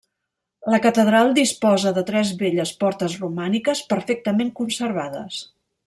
La catedral disposa de tres belles portes romàniques perfectament conservades.